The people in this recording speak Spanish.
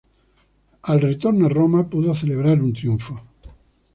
Al retorno a Roma pudo celebrar un triunfo.